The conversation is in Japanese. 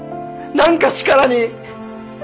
何か力に。